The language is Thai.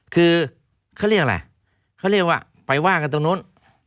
คือเขาเรียกอะไรเขาเรียกว่าไปว่ากันตรงนู้น